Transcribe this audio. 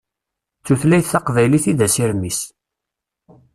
D tutlayt taqbaylit i d asirem-is.